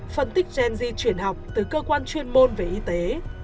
phân tích gen di chuyển học từ cơ quan chuyên môn về y tế